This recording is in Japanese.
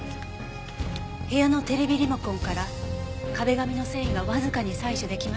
部屋のテレビリモコンから壁紙の繊維がわずかに採取できました。